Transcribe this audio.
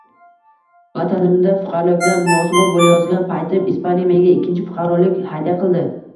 Vatanimda fuqarolikdan mosuvo bo‘layozgan paytim, Ispaniya menga ikkinchi fuqarolik hadya qildi